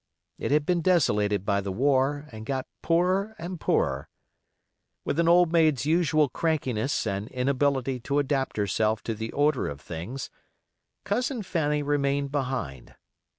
It had been desolated by the war, and got poorer and poorer. With an old maid's usual crankiness and inability to adapt herself to the order of things, Cousin Fanny remained behind.